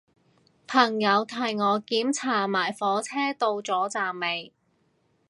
朋友提我檢查埋火車到咗站未